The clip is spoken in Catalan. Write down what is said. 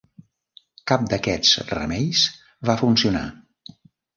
Cap d'aquests remeis va funcionar.